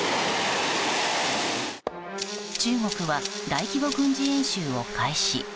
中国は大規模軍事演習を開始。